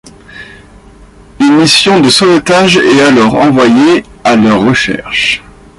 Une mission de sauvetage est alors envoyée à leur recherche...